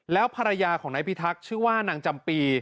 แล้วภรรยาของนายพิทักษ์ชื่อว่านางจำปี